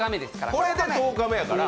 これで１０日目やから。